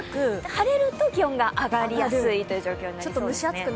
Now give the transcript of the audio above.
晴れると気温が上がりやすいという状況ですね。